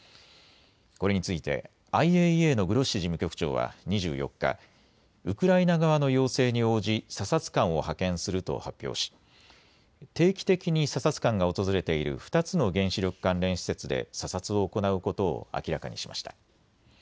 これについてＩＡＥＡのグロッシ事務局長は２４日、ウクライナ側の要請に応じ査察官を派遣すると発表し定期的に査察官が訪れている２つの原子力関連施設で査察を行うことを明らかにしました。